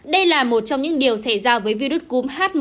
đây là một trong những điều xảy ra với virus covid